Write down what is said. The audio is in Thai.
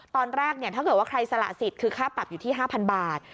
ตอนแรกถ้าเกิดว่าใครสละสิทธิ์คือค่าปรับอยู่ที่๕๐๐บาท